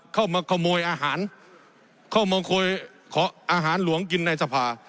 เข้ามาขโมยอาหารเข้ามาขออาหารหลวงกินในสภา